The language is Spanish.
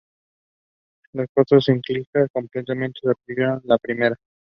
Las otras encíclicas complementaron y ampliaron la primera.